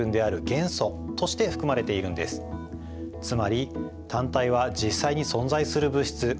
つまり単体は実際に存在する物質